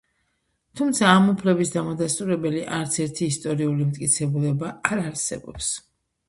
თუმცა ამ უფლების დამადასტურებელი არც ერთი ისტორიული მტკიცებულება არ არსებობს.